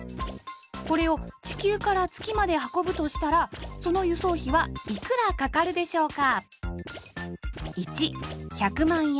これを地球から月まで運ぶとしたらその輸送費はいくらかかるでしょうか？